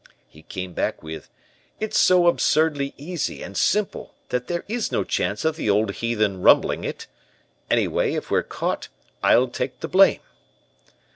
"He came back with, 'It's so absurdly easy and simple that there is no chance of the old heathen rumbling it. Anyway, if we're caught, I'll take the blame.'